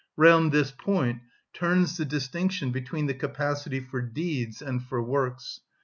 Round this point turns the distinction between the capacity for deeds and for works.